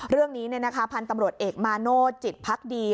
เรื่องนี้เนี่ยนะคะพันธุ์ตำรวจเอกมาโน่จิตพักดี